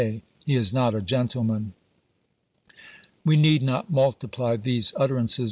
xxiv. vais sujet — he is not a gentleman." We need not multiply these utterances.